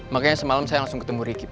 makanya semalam saya langsung ketemu riki pak